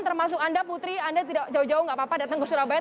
termasuk anda putri anda tidak jauh jauh tidak apa apa datang ke surabaya